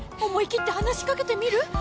思い切って話しかけてみる？